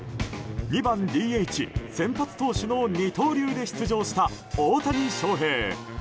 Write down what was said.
２番ＤＨ、先発投手の二刀流で出場した大谷翔平。